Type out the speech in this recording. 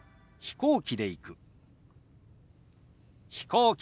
「飛行機で行く」。